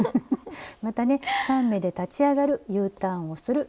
またね３目で立ち上がるＵターンをする。